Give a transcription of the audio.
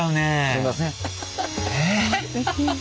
すいません。